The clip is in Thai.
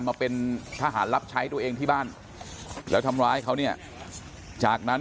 มาเป็นทหารรับใช้ตัวเองที่บ้านแล้วทำร้ายเขาเนี่ยจากนั้น